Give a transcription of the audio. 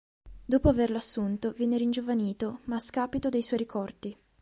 Dopo averlo assunto viene ringiovanito ma a scapito dei suoi ricordi.